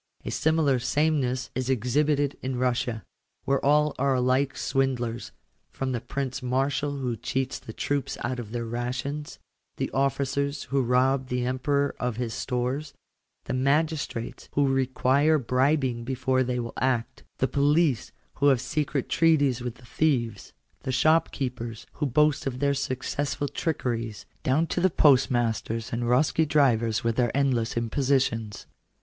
A similar sameness is exhibited in Bussia, where all are alike swindlers, from the Prince Marshal who cheats the troops out of their rations, the officers who rob the Emperor of his stores, the magistrates who require bribing before they will act, the police who have secret treaties with the thieves, the shopkeepers who boast of their successful trickeries, down to the postmasters and dhrosky drivers with their endless imposi tions.